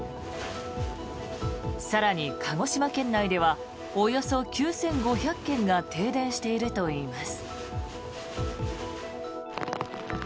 更に、鹿児島県内ではおよそ９５００軒が停電しているといいます。